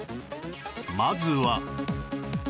まずは